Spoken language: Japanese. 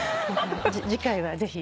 次回はぜひ。